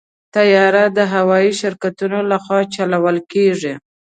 طیاره د هوايي شرکتونو لخوا چلول کېږي.